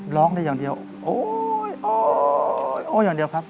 ร้องได้อย่างเดียวโอ้ยอ๋ออย่างเดียวครับ